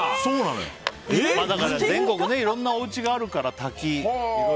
だから全国いろんなおうちがあるから。